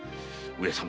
上様。